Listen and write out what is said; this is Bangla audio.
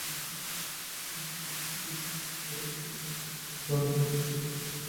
এখান থেকে আবিষ্কৃত প্রস্তর যুগের বাঙালী জনগোষ্ঠীর হাতিয়ার গুলো তারই স্বাক্ষর বহন করে।